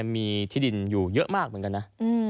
มีที่ดินอยู่เยอะมากเหมือนกันนะ